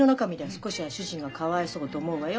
少しは主人がかわいそうと思うわよ。